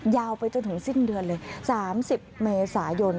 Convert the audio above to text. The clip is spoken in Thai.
ยาวไปจนถึงสิ้นเดือนเลย๓๐เมษายน